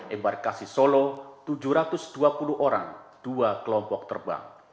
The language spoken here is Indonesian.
embarkasi jakarta selatan tujuh ratus dua puluh dua orang dua kelompok terbang